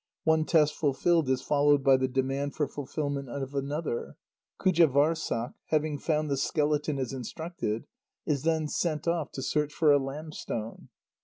One test fulfilled is followed by the demand for fulfilment of another. Qujâvârssuk, having found the skeleton as instructed, is then sent off to search for a lamb stone.